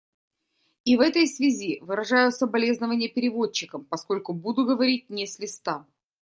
И в этой связи выражаю соболезнование переводчикам, поскольку буду говорить не с листа.